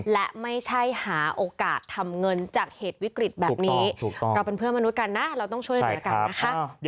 และไม่ใช่หาโอกาสทำเงินจากเหตุวิกฤตแบบนี้เราเป็นเพื่อนมนุษย์กันนะเราต้องช่วยเหลือกันนะคะ